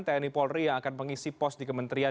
tni polri yang akan mengisi pos di kementerian